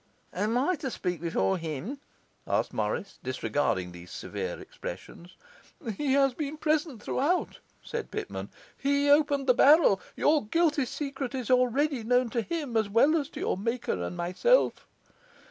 'Am I to speak before him?' asked Morris, disregarding these severe expressions. 'He has been present throughout,' said Pitman. 'He opened the barrel; your guilty secret is already known to him, as well as to your Maker and myself.